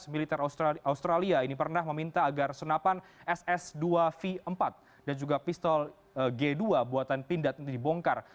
militer australia ini pernah meminta agar senapan ss dua v empat dan juga pistol g dua buatan pindad ini dibongkar